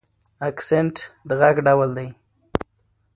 اکسنټ د غږ ډول دی.